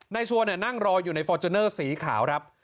ชัวร์นั่งรออยู่ในฟอร์จูเนอร์สีขาวครับ